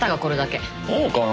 そうかな？